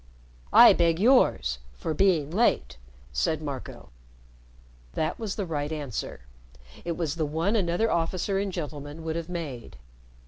"I beg yours for being late," said Marco. That was the right answer. It was the one another officer and gentleman would have made.